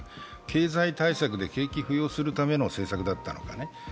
経済対策で景気を浮揚するための政策だったのかね。